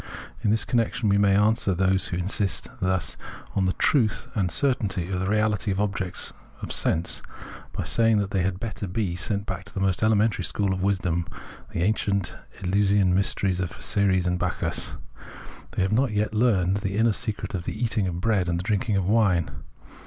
In this connection we may answer those who thus insist on the truth and certainty of the reality of objects of sense, by saying that they had better be sent back to the most elementary school of wisdom, the ancient Eleusinian mysteries of Ceres and Bacchus ; they have not yet learnt the inner secret of the eating of bread and the drinking of wine.